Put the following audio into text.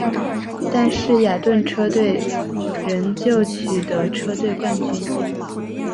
但是雅顿车队仍旧取得车队冠军。